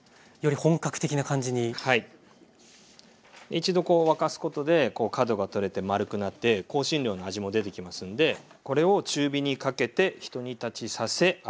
一度こう沸かすことで角が取れて丸くなって香辛料の味も出てきますんでこれを中火にかけてひと煮立ちさせ粗熱を取ります。